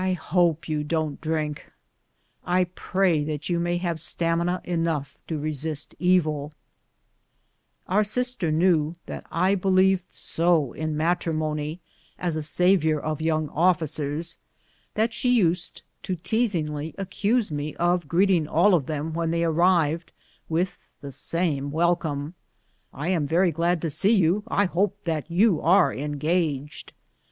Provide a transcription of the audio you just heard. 219 I liope jou don't drink ; I praj that you may have stamina enough to resist eviL" Our sister knew that I believed so in matrimony as a savior of young officers that she used to teasingly accuse me of greeting all of them when they arrived with the same welcome :" I am very glad to see you ; I hope that you are engaged."